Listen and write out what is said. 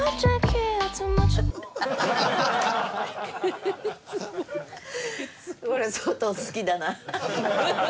これ相当好きだな。